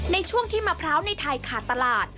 ในช่วงที่มะพร้าวในไทยขาดตลาด